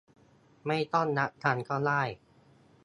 ไม่ต้องรักกันก็ได้